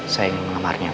saya ingin mengamarnya